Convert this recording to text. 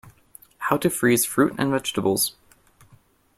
How to freeze fruit and vegetables.